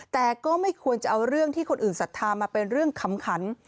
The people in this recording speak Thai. แต่ก็ไม่ควรจะเอาเรื่องที่คนอื่นศรัทธามาเป็นเรื่องขำขัน